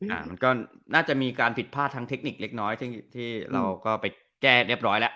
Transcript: อ่ามันก็น่าจะมีการผิดพลาดทั้งเทคนิคเล็กน้อยซึ่งที่เราก็ไปแก้เรียบร้อยแล้ว